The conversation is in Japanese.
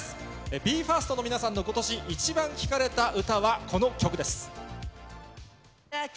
ＢＥ：ＦＩＲＳＴの皆さんの今年イチバン聴かれた歌はこの曲です。